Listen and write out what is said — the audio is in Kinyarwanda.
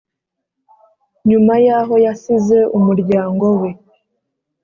nyuma yaho yasize umuryango we